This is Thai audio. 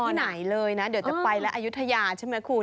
ที่ไหนเลยนะเดี๋ยวจะไปแล้วอายุทยาใช่ไหมคุณ